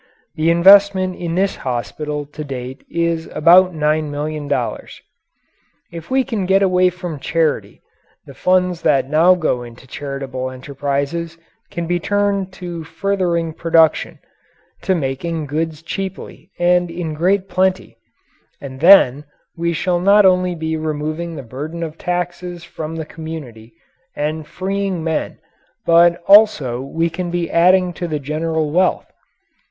The investment in this hospital to date is about $9,000,000. If we can get away from charity, the funds that now go into charitable enterprises can be turned to furthering production to making goods cheaply and in great plenty. And then we shall not only be removing the burden of taxes from the community and freeing men but also we can be adding to the general wealth.